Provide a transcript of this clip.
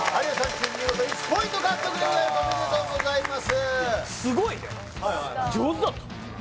チーム見事１ポイント獲得でございますおめでとうございます